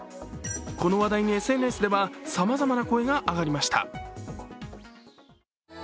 この話題にＳＮＳでは、さまざまな声が上がりました。